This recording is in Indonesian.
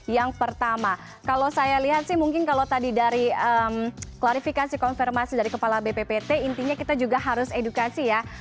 yang pertama kalau saya lihat sih mungkin kalau tadi dari klarifikasi konfirmasi dari kepala bppt intinya kita juga harus edukasi ya